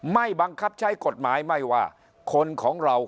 ไม่บังคับใช้กฎหมายไม่ว่าคนของเรา